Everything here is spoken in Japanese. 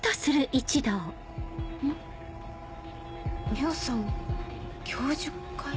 海音さん教授会？